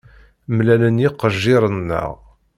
Mlalen yiqejjiren-nneɣ.